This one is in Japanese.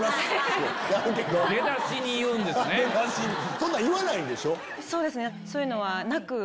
そんなん言わないんでしょ？